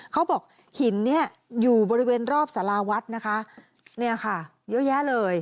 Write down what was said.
เขาบอกหินเนี่ยอยู่บริเวณรอบสาราวัดนะคะเนี่ยค่ะเยอะแยะเลย